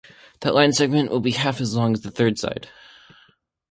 That line segment will be half as long as the third side.